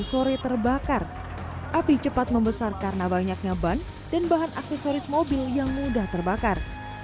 sore terbakar api cepat membesar karena banyaknya ban dan bahan aksesoris mobil yang mudah terbakar